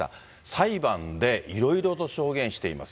裁判でいろいろと証言しています。